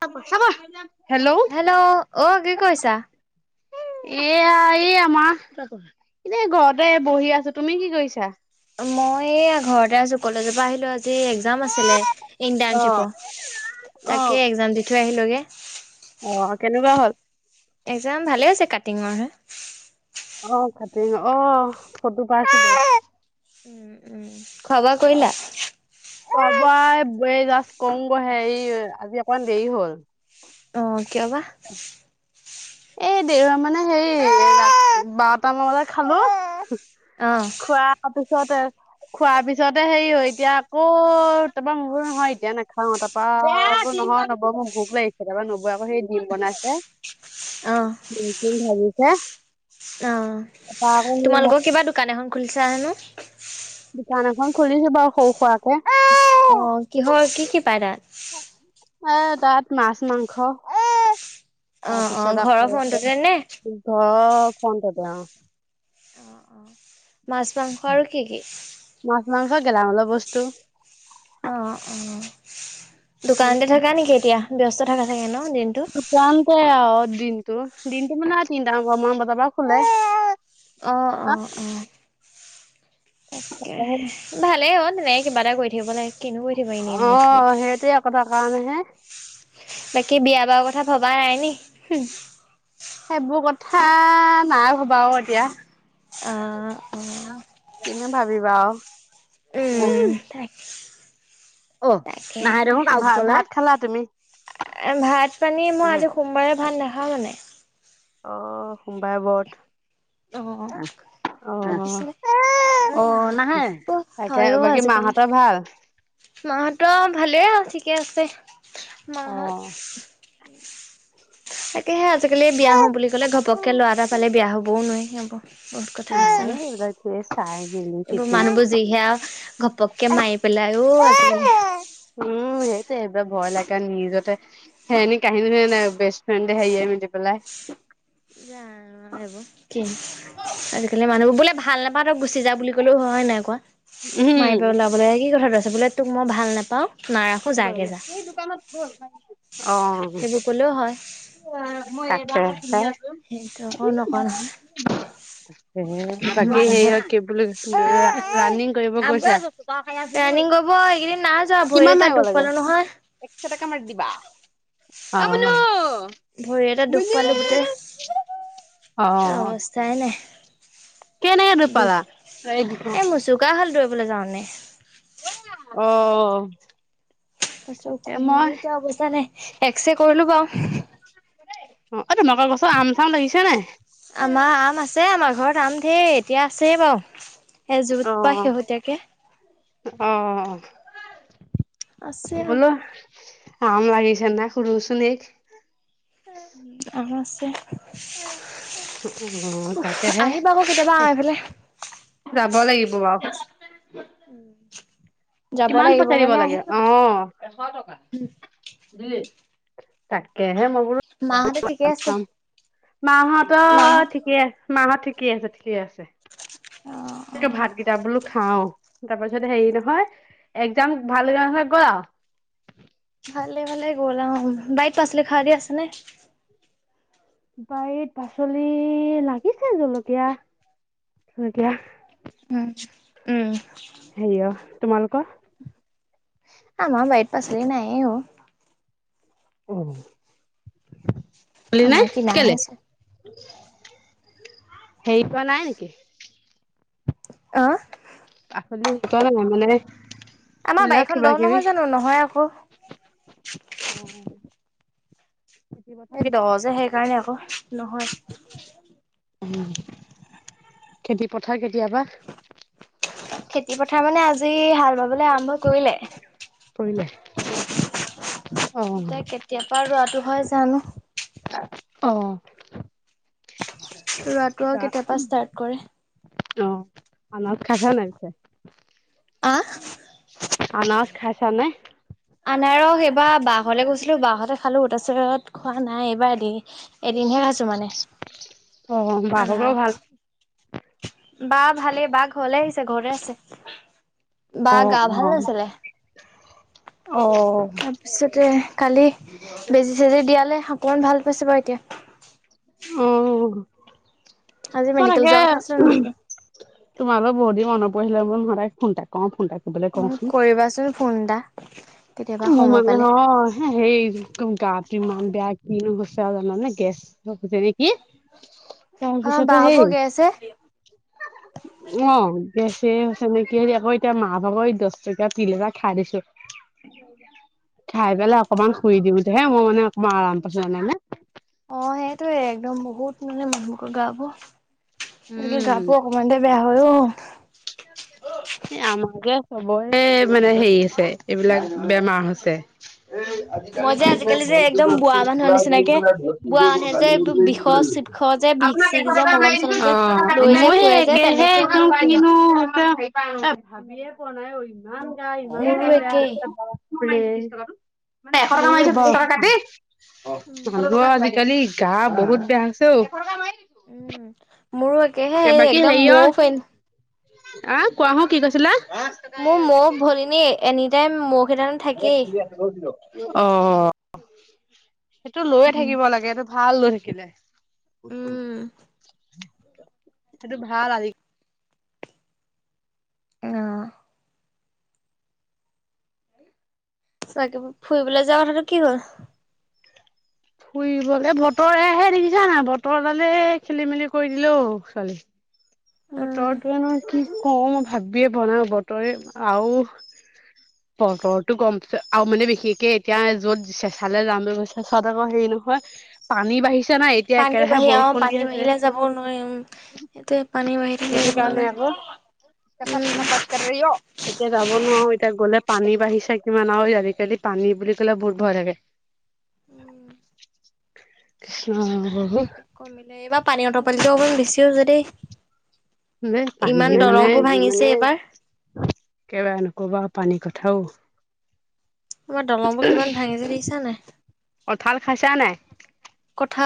চাব চাব হেল্ল'। অ কি কৰিছা? এয়া এই আমাৰ এনে ঘৰতে বহি আছো তুমি কি কৰিছা মই এ ঘৰতে আছোঁ কলেজৰ পৰা আহিলোঁ আজি। একজাম আছিলে ইণ্টাৰ্নশিপ অ', অ'। তাকে একজাম দি থৈ আহিলোঁ গে। অ কেনেকুৱা হ'ল। একজাম ভালে হৈছে কাটিঙৰ হে। অ কাটিংৰ অহ ফটো পাইছিলোঁ। উম উম খোৱা বোৱা কৰিলা? পাই ব জাষ্ট কম গৈ হেৰি আজি অকমান দেৰি হ'ল। আহ কিয় বা। এই দেওবাৰ মানে হেই বাৰটামান বজাত খালো। অহ। কতে। খোৱাৰ পিছতে হেৰি হয় এতিয়া আকৌ তাৰ পৰা মই বোলোঁ নহয় এতিয়া নাখাওঁ তাৰ পৰা। নহয় নবৌ মোক ভোক লাগিছে তাৰ পৰা। আকৌ সেই ডিম বনাইছে অ ডিম চিম ভাজিছে। অ তাৰপা আকৌ তোমালোকৰ কিবা দোকান এখন খুলিছা হেনো। দোকান এখন খুলিছে বাৰু সৰু সুৰা কে। অ কিহৰ কি কি পায় দাত। আহ তাত মাছ মাংস। অ তাৰ অ পিছত ঘৰৰ ঘৰত। ফোনটোতে নে? আহ ফোনটোতে অ। অ অ মাছ, মাংস আৰু কি কি? মাছ মাংস গেলামালৰ বস্তু। অ অ দোকানতে থকা নেকি এতিয়া ব্যস্ত থকা চাগে ন। দিনটো? দোকানতে আৰু দিনটো দিনটো মানে তিনটা মান বজাৰ পৰা খোলে। অহ অ অহ। তাকে অ ভালে অ তেনে কিবা এটা কৰি থাকিব লাগিব। অ সেইটোৱে কথা কাৰণেহে বাকী বিয়া বাৰু কথা ভবা নাই নি। সেইবোৰ কথা নাই ভবা অ এতিয়া। অহ অহ। তুমি ভাবিবা। উম তাকে। অ নাহাই দেখোন ভাত খালা তুমি। এ ভাত পানী মই আজি সোমবাৰে ভাত নাখাওঁ মানে। অহ সোমবাৰে অ ব্ৰথ অহ অহ। তাৰপিছত অ নাহে, তাকে বাকী মাহতৰ ভাল? মাহত ভালেই আউ ঠিকে আছে অ মাহত। তাকেহে আজিকালি বিয়া হম বুলি ক'লে ঘপককে ল'ৰা এটা পালে বিয়া হবও নোৱাৰি সেইবোৰ। বহুত কথা নাই আছে ন এইবিলাক এই চাই মেলি এইবোৰ চিঠি মানুহবোৰ যিহেয়াও ঘপককে মাৰি পেলাইও অ আজিকালি এইবাৰ ভয় লাগে নিজতে সেই কাহিনী নাই বেষ্ট ফ্ৰেণ্ড হেৰিয়ে মেলি পেলাই। জনো আ এইবোৰ কি আজিকালি মানুহবোৰ বোলে ভাল নাপাওঁ তই গুচি যা বুলি ক'লেও হয় নাই কোৱা? মাৰি উম পেলাবলে কি কথাটো আচ বোলে তোক মই ভাল নেপাওঁ ক'ত দিব লাগে এই দোকানত অ। সেইবোৰ ক'লেও হয় উৱা মই এইবাকে তাকে। সেইটো অকণ অকণ এ বাকী সেই অ কি বুলি ৰা ৰাণিং কৰিব গৈছা ৰানিং কৈব এইকেইদিন নাযোৱা ভৰি এটাত দুখ পালো নহয়। শ টকা মাৰ দিবা অ মুনো ভৰি এটা দুখ মুনু পালো গোটেই অ কেনেকে দৌৰ বি পালা এ মোৰচুকা খালো বুলে যাৱনে। অ। তাৰপিছত তাকে ওখহী মই মানে এতিয়া অৱস্থা নাই এক্সৰে কৰিলো বাউ। অ তোমালোক গছত আম- চাম লাগিছে নাই? আমাৰ আম আছে আমাৰ ঘৰত আম ঢেৰ এতিয়া আছে বাউ। এ যত পা শেহতীয়াকে অ অ আছে হলো। কাম লাগিছে নাই সুৰু চুলি অ আছে। অ তাকে হে আহিবা আকৌ কেতিয়াবা আমাৰ এইফালে হব লাগিব বাও। উম। কিমান পইচা দিব লাগে, অ এশ টকা। ডে তাকেহে মও মাহঁতে ঠিকে আছে? মাহঁত ঠিকে আ মাহত ঠিকে আছে ঠিকে আছে। অ। অ টো ভাত কেইটা বোলো খাও, তাৰ পিছত হেৰি নহয় একজাম ভাল লগা ৰিজাল হৈ গল আও। [unintelligible] ভালে ভালে গ'ল আউ উম বাইত পাচলি খাৰাদি আছে নে? বাৰীত পাচলি লাগিছে জলকীয়া জলকীয়া উম উম সেই অ তোমালোকৰ? আমা বাইট পাচলি নাই অ। অ কলি নে আমাৰ কিনাহে কেলে আছে সেই পোৱা নাই নেকি? আহ হলি শ ক ন আ মানে [inaudible] আমাৰ সেইবিলাক বাৰীখন দ কিবা কিবি নহয় জানো নহয় আকৌ। অ খেতি পথাৰ এ দ যে কেতিয়াবা সেইকাৰণে আকৌ নহয়। খেতি পথাৰ কেতিয়াবা খেতি -পথাৰ মানে আজি হাল বাবলে আৰম্ভ কৰিলে। পৰিলে অ', তই কেতিয়াপা ৰোৱাটো হয় জানো। অ ৰোৱাটো আৰু কেতিয়াপা ষ্টাৰ্ট কৰে। অ আমাৰ উৎসাহ হে মাৰিছে। আহ আনাৰজ খাইছা নে? আনাৰস এইবাৰ বা ঘলে গৈছিলো বাহতে খালো তাছত খোৱা নাই এইবাৰ দে এদিনহে খাইছো মানে অ', বা ভাগৰ ভাল? আনাৰস। বা ভালে বা ঘলে আহিছে ঘৰতে আছে বা অ', গা ভাল অ', নাছিলে। অ'। তাৰপিছতে কালি বেজি চেজি দিয়ালে অকমান ভাল পাইছে বাও এতিয়া। অহ আজি ম মেডিকেল তাকে যোৱাৰ কথা আছিলে নতুনকৈ তোমালৈ বহুত দিন মনত পহিলে বোন সদাই ফোনটাক কও ফোনটাক উ কৰিবাচোন ফোন এটা। কেতিয়াবা মোৰ সময় মানে পালে অহ সেই কম গাটো ইমান বেয়া কিনো হৈছে। চাহ বনাওনে গেছ অলপ আছে নেকি তাৰ আমাৰ বা পিছতে হেই হতৰ গেছ হে অ গেছেই হৈছে নেকি আকৌ এতিয়া মাহ ভাগৰ দহ টকীয়া পিল এটা খাই দিছো। খাই পেলাই অকনমান শুই দিওতে হে মই মানে অকমান আৰাম পাইছো জানে নে অ সেইটোয়ে একদম বহুত মানে গা বোৰ আজি গা বোৰ অকনমানতে বেয়া হয় অ। আমাৰে চবৰে মানে হেৰি আছে এইবিলাক বেমাৰ হৈছে। উ আজিকালি যিহে বস্তু পুৰা কৰি নিচিনাকে পেলাই বুঢ়া মানুহে কাল যে এইবোৰ বিষৰ চিষৰ যে ভিক চিক যে [unintelligible] মলম চলম যে লৈ যে ফুৰে যে তেনেকে মোৰ একেই [unintelligible] ভাবিয়ে পোৱা নাই অ ইমান গা ইমান মোৰো গা বেয়া একেই মই মাৰি দিছোঁ ত্ৰিশ মোৰো টকাটো একেই এশ টকা মাৰিছোঁ ত্ৰিশ উম টকা কাটি কালি গা বহুত বেয়া হৈছে ঔ উম মোৰো একেহে এই বাকী একদম হেৰিয় মও ফেন আহ কোৱাহো কি কৈছিলা? মোৰ ম ভৰিনি এনিটাইম অ সেইটো লৈয়ে থাকিব লাগে। ভাল লৈ থাকিলে। উম সেইটো ভাল আজি। তাকে ফুৰিবলৈ যোৱা কথাটো কি হল? ফুৰিবলে বতৰ এয়াহে দেখিছা নাই বতৰ দালে খেলি মেলি কৰি দিলেও ছোৱালী। উম বতৰটো নো কি কওঁ মই ভাবিয়ে পোৱা নাই বতৰে আও বতৰটো গৰম আৰু মানে বিশেষকে এতিয়া যত চেঁচালে যাম বুলি চেচাত আকৌ হেৰি ন। হয় পানী বাঢ়িছ- পানী বাঢ়ি অ পানী বাঢ়িলে যাব নোৱাৰি উ সেতোৱে। পানী বাঢ়ি থাকিলে সেইটো একো কাৰণে আকৌ না [unintelligible] এতিয়া যাব নোৱাৰো এতিয়া গ'লে পানী বাঢ়িছে। কিমান আৰু আজিকালি পানী বুলি ক'লে বহুত ভয় লাগে। উম কৃষ্ণ প্ৰভু কমিলে এইবাৰ পানী অট পালিটো অকমান বেছিও হৈছে দেই। ইমান পানী মানে দলংবোৰ ভাঙিছে এইবাৰ। একেবাৰে নকবা। পানী কথাও। আমাৰ দলং বোৰ কিমান ভাঙিছে দেখিছা নাই। কঁঠাল খাই চা নাই?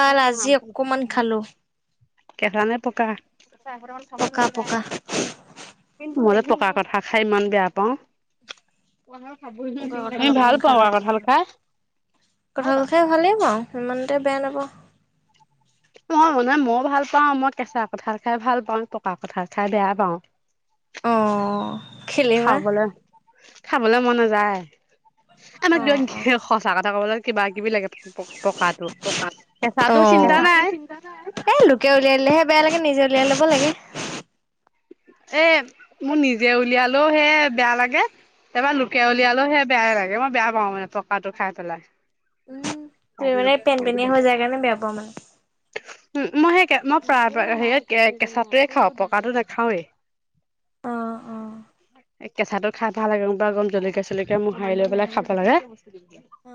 কঁঠাল খোৱা নাই আজি আম অকমান খালোঁ। খালো কেঁচা নে পকা। পকা পকা। মই পকা কঠাল খাই ইমান বেয়া পাওঁ। পকা কঁঠাল মই ভাল অকমান পাওঁ খালো। আ কঠাল ভাল খাই। ভাল পাও। সিমান এটা বেয়া নাপাও। মই মান মই ভাল পাও মই কেঁচা কঠাল খাই ভাল পাওঁ। পকা কঠাল খাই বেয়া পাওঁ। অ। খেলিবা খাবলৈ খাবলৈ মন নযায়। আমাক অ' কি অ'। সঁচা কথা ক'ব লাগে কিবা। কিবি লাগে পকাটো কেঁচা তো অ' চিন্তা নাই। লকে নিজে উলিয়াই লব লাগে। এ, মোৰ নিজে উলিয়ালেও হে বেয়া লাগে। তাৰবাৰ লোকে উম, উলিয়ালোও সেয়া বেয়াই লাগে। মই বেয়া পাওঁ মানে পকা তো খাই পেলাই। উম, তুমি মানে পেন-পেনে হৈ যায় কাৰণে বেয়া পাও মানে। সেয়েহে কেঁচা তোয়ে খাওঁ পকাটো নাখাওৱেই। অঁ, অঁ। এ, কেঁচাতো খাই ভাল লাগে। একম জলকীয়া চলকীয়া মোহাৰি লৈ পেলাই খাব লাগে।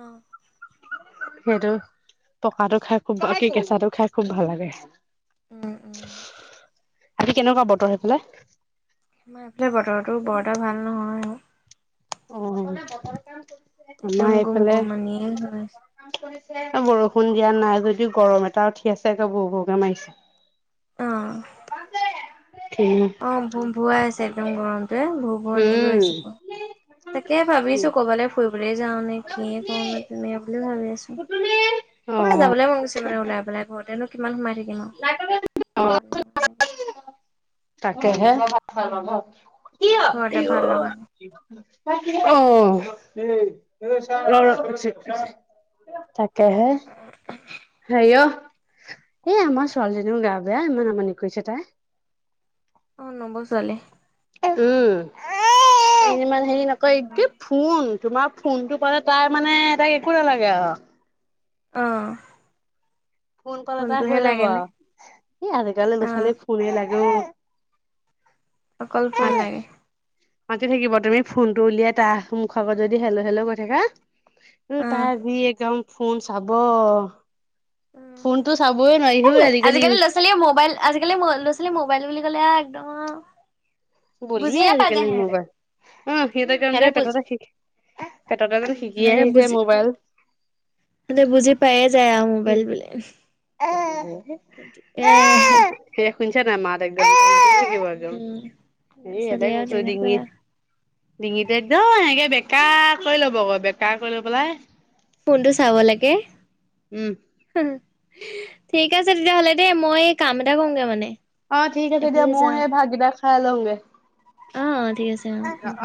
অ' সেইটো পকাটো খাই খুব কি কেঁচাটো খাই খুব ভাল লাগে। উম, উম। আজি কেনেকুৱা বতৰ সেইফালে? এইফালে বতৰটো বৰ এটা ভাল নহয়। অ। একদম আমাৰ গুম এইফালে গুম আনি হয়। বৰষুণ দিয়া নাই যদিও গৰম এটা উঠি আছে একে বৰ বৰকে মাৰিছে। আহ। অ, ভুৱাই আছে একদম গৰমটোৱে ভ। লৈ উম, আছে। তাকে ভাবিছো কবালৈ ফু এইব যাওঁ নে কি কওঁ নে তেনেকে বুলি এ ভাবি আছো। কবলৈ অ', যাবলৈ মন গৈছে মানে ওলাই পেলাই ঘৰতেনো কিমান সোমাই থাকিম আৰু। ভাল লগ নাই। তাকে হে। কি কিবা অ? ঘৰতে ভাল লগা নাই তাকে তাকে হে। হেৰিয়' এ, আমাৰ ছোৱালীজনীও গা বেয়া ইমান আমনি কৰিছে তাই। অ, নবৌ ছোৱালী। উম। ইমান হেৰি নকয় এক অ', কি ফোন তোমাৰ ফোন টো পালে তাই মানে তাই একো নালাগে আৰু। [unintelligible] আহ। ফোন পালে তাৰ হৈ যাব এই আজিকালি অ, দুফালে ফোনে লাগে। অকল ফন লাগে। মতি থাকিব তুমি ফোনটো উলিয়াই তাৰ মুখ আগত যদি হেলো হেলো গৈ থাকা। উম, অ', তাৰ দি একদম ফোন চাব। অ'। ফোনটো চাব আজিকালি ল'ৰা-ছোৱালীয়ে মবাইল আজিকালি ল'ৰা ছোৱালী মবাইল বুলি ক'লে একদম বলিয়ে বুজিয়ে পাই আজিকালি যায় সিহঁতে। মোবাইল অ সিহঁতে উম, একদম যে হেনে বুজি পেটতে শিকি পেটতে যেন উম শিকি হনে আহিছে বুজি। মোবাইল মলে বুজি পাই যায় আও মোবাইল বুলি। অঁ। আঁহ। শুনিছে নাই মাত একদম। উম ল'ৰা এ, ছোৱালী এতোই আৰু কৰছো তেনেকুৱা ডিঙিত ডিঙিতে একদম এ বেকা কৰি ল'ব আকৌ বেকাৰ কৰি লৈ পেলাই। ফোনটো চাব লাগে। উম ঠিক আছে তেতিয়াহ'লে দেই মই কাম এটা কৰোগে মানে [unintelligible] অ' ঠিক আছে দিয়া এফালে ময় সে ভাগিবা খাই লওঁগে [unintelligible] আহ অ' ঠিক আছে। অ [unintelligible]